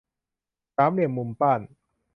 สามเหลี่ยมมุมป้าน